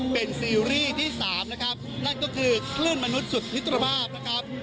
เป็นซีรีส์ที่สามนะครับนั่นก็คือคลื่นมนุษย์สุดมิตรภาพนะครับ